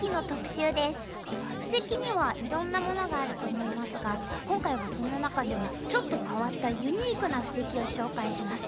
布石にはいろんなものがあると思いますが今回はその中でもちょっと変わったユニークな布石を紹介します。